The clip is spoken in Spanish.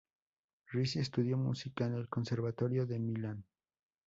Rizzi estudió música en el Conservatorio de Milán.